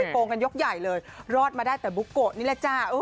โกงกันยกใหญ่เลยรอดมาได้แต่บุ๊กโกะนี่แหละจ้า